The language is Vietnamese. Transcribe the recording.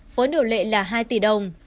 với vốn điều lệ hai tỷ đồng